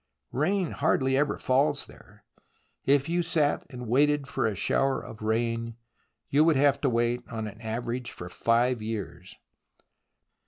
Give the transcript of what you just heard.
Rain hardly ever falls there. ... If you sat and waited for a shower of rain, you would have to wait on an average for five years